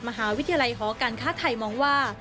มหาวิทยาลัยหอการค้าไทยมองว่า